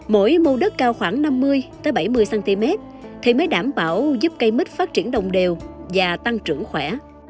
mỗi mô đất cao khoảng năm mươi bảy mươi cm thì mới đảm bảo giúp cây mít phát triển đồng đều và tăng trưởng khỏe